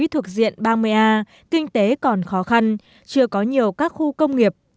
nơi thực diện ba mươi a kinh tế còn khó khăn chưa có nhiều các khu công nghiệp